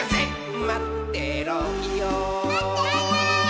まってろよ−！